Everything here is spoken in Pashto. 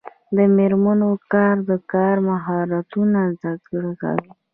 د میرمنو کار د کار مهارتونو زدکړه کوي.